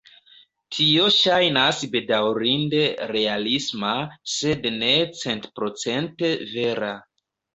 Tio ŝajnas bedaŭrinde realisma, sed ne centprocente vera.